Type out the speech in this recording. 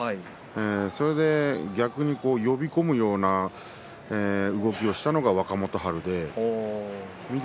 それで逆に呼び込むような動きをしたのが若元春で翠